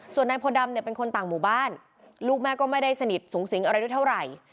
ส่วนนายโพดำเนี่ยเป็นคนต่างหมู่บ้านลูกแม่ก็ไม่ได้สนิทสูงสิงอะไรด้วยเท่าไหร่